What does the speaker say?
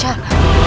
ia dapat memperoleh